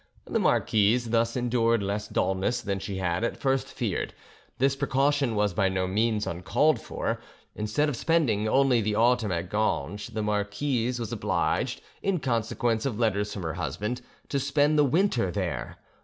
The marquise thus endured less dulness than she had at first feared. This precaution was by no means uncalled for; instead of spending only the autumn at Ganges, the marquise was obliged, in consequence of letters from her husband, to spend the winter there.